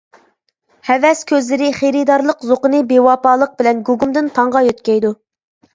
ھەۋەس كۆزلىرى خېرىدارلىق زوقىنى بىۋاپالىق بىلەن گۇگۇمدىن تاڭغا يۆتكەيدۇ.